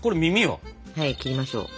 はい切りましょう。